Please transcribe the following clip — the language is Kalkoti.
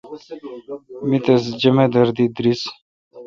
می تس جمدار دی درس۔